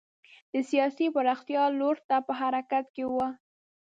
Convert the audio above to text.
د سیاسي پراختیا لور ته په حرکت کې و.